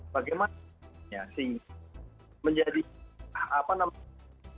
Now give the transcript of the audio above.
bagaimana sehingga menjadi apa namanya